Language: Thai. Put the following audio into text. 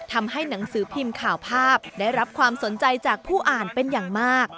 ทำให้หนังสือพิมพ์ข่าวภาพได้รับความสนใจจากผู้อ่านเป็นอย่างมาก